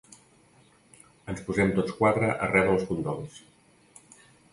Ens posem tots quatre a rebre els condols.